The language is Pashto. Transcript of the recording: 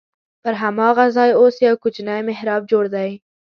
پر هماغه ځای اوس یو کوچنی محراب جوړ دی.